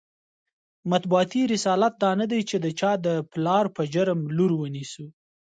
مطبوعاتي رسالت دا نه دی چې د چا د پلار په جرم لور ونیسو.